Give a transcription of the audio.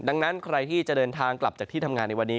ดังนั้นใครที่จะเดินทางกลับจากที่ทำงานในวันนี้